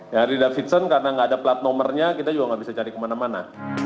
yang harley davidson karena gak ada plat nomornya kita juga gak bisa cari kemana mana